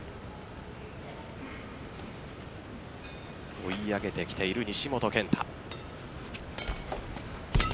追い上げてきている西本拳太。